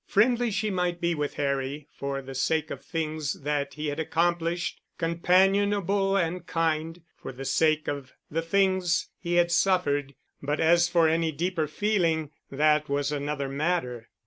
Friendly she might be with Harry for the sake of the things that he had accomplished, companionable and kind for the sake of the things he had suffered, but as for any deeper feeling— that was another matter.